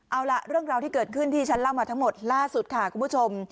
เอาล่ะเรื่องราวที่เกิดขึ้นที่ฉันเล่ามาทั้งหมดล่าสุดค่ะคุณผู้ชม